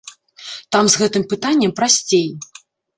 Там з гэтым пытаннем прасцей.